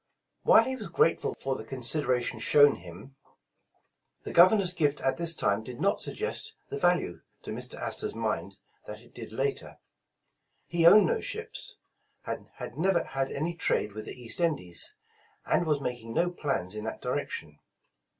While he was grateful for the consideration shown him, the Governor's gift at this time did not suggest the value to Mr. Astor's mind that it did later. He owned no ships, and had never had any trade with the East Indies, and was making no plans in that direc tion.